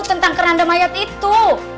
tentang keranda mayat itu